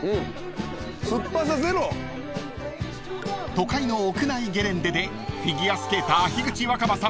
［都会の屋内ゲレンデでフィギュアスケーター樋口新葉さん